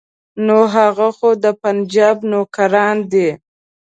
نو هغه خو د پنجاب نوکران دي.